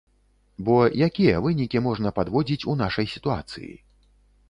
Бо якія вынікі можна падводзіць у нашай сітуацыі?